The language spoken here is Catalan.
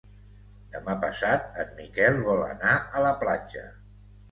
Demà passat en Miquel vol anar a la platja.